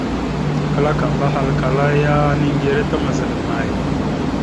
Kǝlakamba ahalǝkala ya: « Niŋgire ta mazaɗ amay? ».